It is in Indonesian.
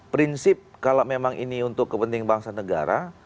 prinsip kalau memang ini untuk kepentingan bangsa negara